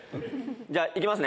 じゃあ、いきますね。